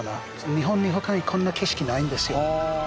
日本に他にこんな景色ないんですよ。